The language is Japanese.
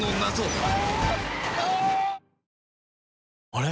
あれ？